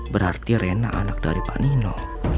berarti rena anak dari pak nino